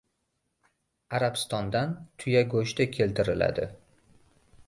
Arabistondan tuya go‘shti keltiriladi